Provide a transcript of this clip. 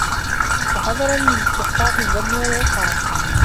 وَحَذَرًا مِنْ اسْتِحْقَاقِ الذَّمِّ وَالْعِقَابِ